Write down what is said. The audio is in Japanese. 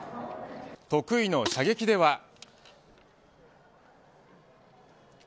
得意の射撃では。